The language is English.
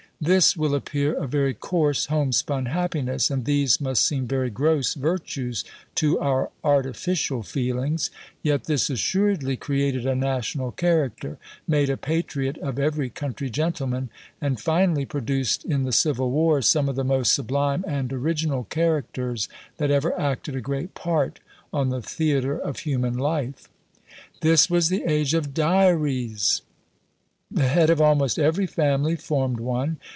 This will appear a very coarse homespun happiness, and these must seem very gross virtues to our artificial feelings; yet this assuredly created a national character; made a patriot of every country gentleman; and, finally, produced in the civil wars some of the most sublime and original characters that ever acted a great part on the theatre of human life. This was the age of DIARIES! The head of almost every family formed one.